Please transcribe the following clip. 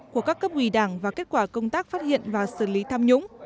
của các cấp ủy đảng và kết quả công tác phát hiện và xử lý tham nhũng